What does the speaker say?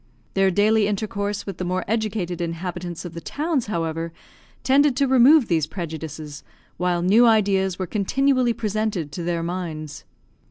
Their daily intercourse with the more educated inhabitants of the towns, however, tended to remove these prejudices, while new ideas were continually presented to their minds.